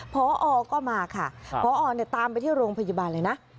พอก็มาค่ะพอตามไปที่โรงพยาบาลเลยนะ